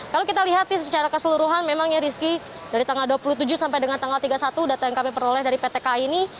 kalau kita lihat secara keseluruhan memang ya rizky dari tanggal dua puluh tujuh sampai dengan tanggal tiga puluh satu data yang kami peroleh dari pt kai ini